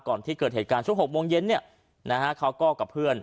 ที่เกิดเหตุการณ์ช่วง๖โมงเย็นเนี่ยนะฮะเขาก็กับเพื่อน